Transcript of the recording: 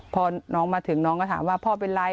พอน้องมาถึงน้องก็ถามว่าพ่อเป็นไร